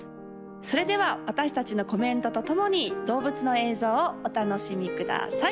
それでは私達のコメントとともに動物の映像をお楽しみください